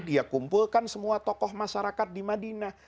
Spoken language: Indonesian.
dia kumpulkan semua tokoh masyarakat di madinah